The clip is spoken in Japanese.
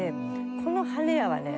この『羽根屋』はね